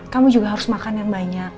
kamu juga harus makan yang banyak